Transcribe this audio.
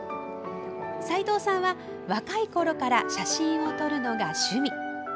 斉藤さんは、若いころから写真を撮るのが趣味。